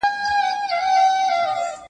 ولي محنتي ځوان د تکړه سړي په پرتله ډېر مخکي ځي؟